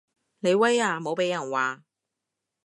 你威啊無被人話